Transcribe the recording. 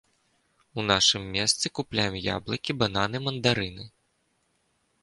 У нашым месцы купляем яблыкі, бананы, мандарыны.